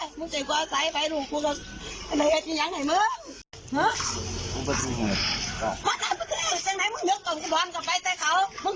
มันเป็นวันเรียงมันเป็นวันเรียง